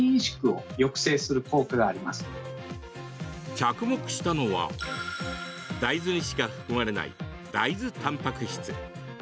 着目したのは大豆にしか含まれない大豆たんぱく質。